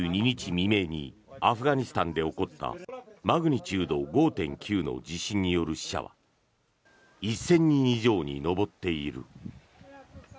未明にアフガニスタンで起こったマグニチュード５．９の地震による死者が１０００人以上に上っている。